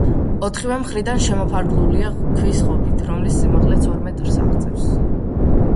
ოთხივე მხრიდან შემოფარგლულია ქვის ღობით, რომლის სიმაღლეც ორ მეტრს აღწევს.